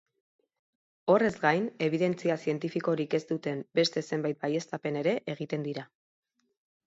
Horrez gain, ebidentzia zientifikorik ez duten beste zenbait baieztapen ere egiten dira.